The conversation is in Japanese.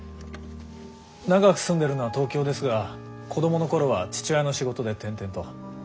長く住んでるのは東京ですが子供の頃は父親の仕事で転々と。